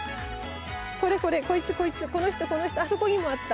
これこれこいつこいつこの人この人あそこにもあった。